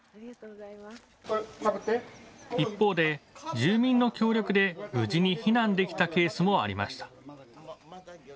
一方で住民の協力で無事に避難できたケースもありました。